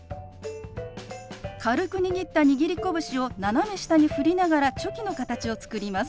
軽く握った握り拳を斜め下にふりながらチョキの形を作ります。